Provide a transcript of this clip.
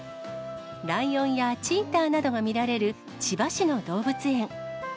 ライオンやチーターなどが見られる千葉市の動物園。